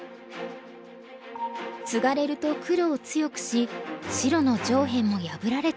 ツガれると黒を強くし白の上辺も破られてしまいます。